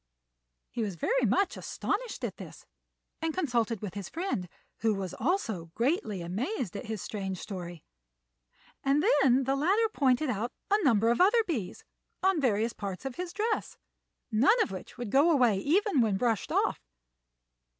He was very much astonished at this, and consulted with his friend, who was also greatly amazed at his strange story; and then the latter pointed out a number of other bees on various parts of his dress, none of which would go away even when brushed off.